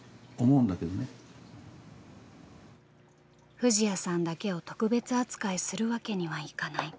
藤彌さんだけを特別扱いするわけにはいかない。